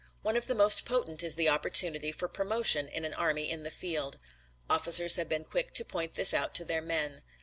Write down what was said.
One of the most potent is the opportunity for promotion in an army in the field. Officers have been quick to point this out to their men.